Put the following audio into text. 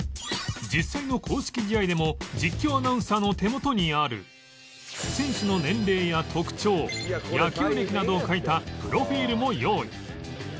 実際の公式試合でも実況アナウンサーの手元にある選手の年齢や特徴野球歴などを書いたプロフィールも用意